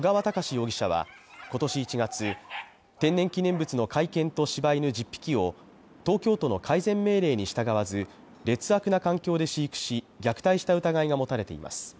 容疑者は今年１月、天然記念物の甲斐犬と柴犬十匹を東京都の改善命令に従わず、劣悪な環境で飼育し虐待した疑いが持たれています。